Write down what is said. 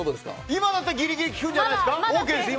今だったらギリギリきくんじゃないですか。